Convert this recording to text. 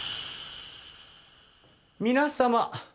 皆様。